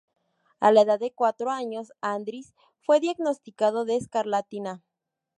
A la edad de cuatro años, Andris fue diagnosticado de escarlatina.